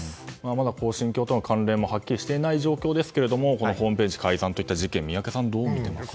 まだ恒心教との関連性もはっきりしていない中ですがホームページ改ざんの事件宮家さん、どう見ていますか？